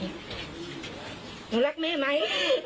หนูรักแม่ไหม